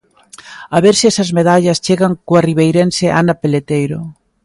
A ver se esas medallas chegan coa ribeirense Ana Peleteiro.